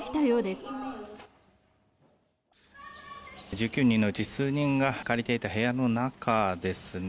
１９人のうち数人が借りていた部屋の中ですね。